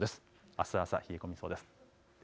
あす朝、冷え込みそうです。